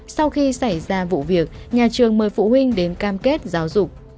sau khi xảy ra vụ việc nhà trường mời phụ huynh đến cam kết giáo dục